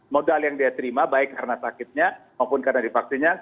modal yang dia terima baik karena sakitnya maupun karena divaksinnya